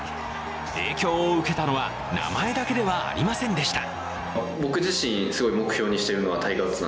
影響を受けたのは名前だけではありませんでした。